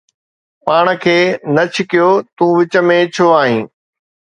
پاڻ کي نه ڇڪيو، تون وچ ۾ ڇو آهين؟